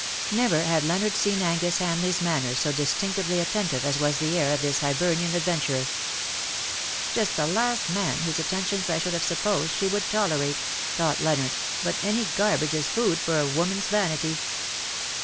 Never had Leonard seen Angus Hamleigh's manner so distinctively attentive as was the air of this Hibernian adventurer. " Just the last man whose attentions I should have supposed she would tolerate/' thought Leonard; " but any garbage is food for a woman's vanity."